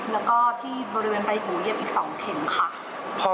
แล้วก็ที่บริเวณปลายหูเยี่ยมอีก๒เท่นค่ะ